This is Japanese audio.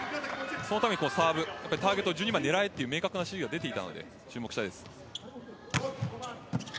そのためにサーブターゲット１２番、狙えという指示が出ていたので注目したいです。